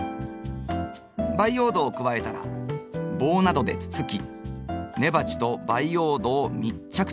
培養土を加えたら棒などでつつき根鉢と培養土を密着させましょう。